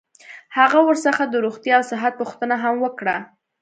هغه ورڅخه د روغتیا او صحت پوښتنه هم وکړه.